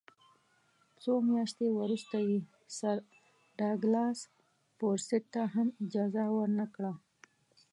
څو میاشتې وروسته یې سر ډاګلاس فورسیت ته هم اجازه ورنه کړه.